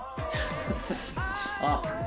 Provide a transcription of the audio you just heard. あっ。